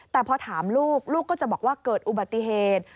แต่พอถามลูกลูกก็จะบอกว่าเกิดอุบัติเหตุ